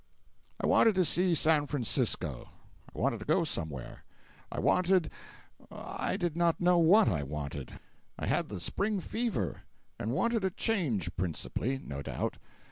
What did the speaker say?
I wanted to see San Francisco. I wanted to go somewhere. I wanted—I did not know what I wanted. I had the "spring fever" and wanted a change, principally, no doubt.